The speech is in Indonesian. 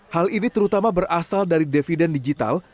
hal ini terutama berasal dari dividen digital